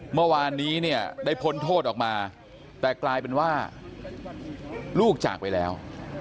เมื่อวานนี้เนี่ยได้พ้นโทษออกมาแต่กลายเป็นว่าลูกจากไปแล้ว